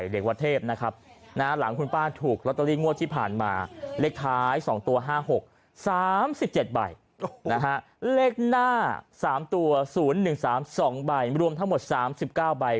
เลขท้าย๒ตัว๕๖๓๗ใบเลขหน้า๓ตัว๐๑๓๒ใบรวมทั้งหมด๓๙ใบ